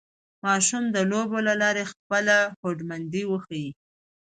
ماشومان د لوبو له لارې خپله هوډمندۍ وښيي